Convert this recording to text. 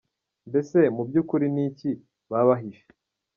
Mbese mu by’ukuri ni iki baba bahisha?